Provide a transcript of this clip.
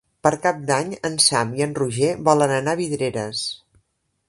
Per Cap d'Any en Sam i en Roger volen anar a Vidreres.